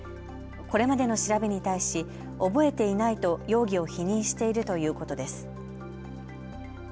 これまでの調べに対し覚えていないと容疑を否認しているということです。